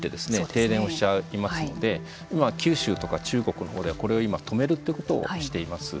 停電をしちゃいますので今は九州とか中国の方ではこれを今止めるってことをしています。